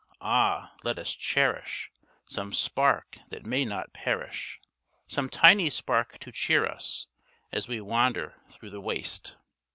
Ah, let us cherish Some spark that may not perish, Some tiny spark to cheer us, As we wander through the waste!